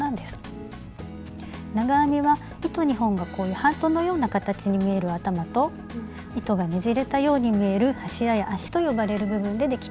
長編みは糸２本がこういうハートのような形に見える「頭」と糸がねじれたように見える「柱や足」と呼ばれる部分でできています。